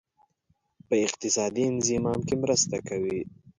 په اقتصادي انضمام کې مرسته کوي.